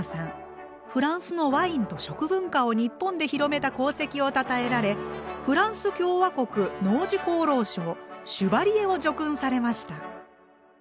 フランスのワインと食文化を日本で広めた功績をたたえられフランス共和国農事功労賞シュバリエを叙勲されました。